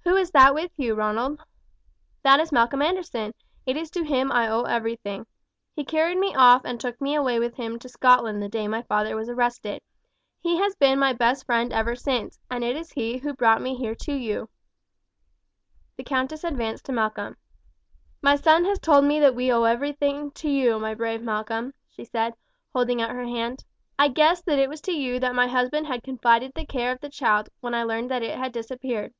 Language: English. "Who is that with you, Ronald?" "That is Malcolm Anderson; it is to him I owe everything. He carried me off and took me away with him to Scotland the day my father was arrested. He has been my best friend ever since, and it is he who brought me here to you." The countess advanced to Malcolm. "My son has told me that we owe everything to you, my brave Malcolm!" she said, holding out her hand. "I guessed that it was to you that my husband had confided the care of the child when I learned that it had disappeared.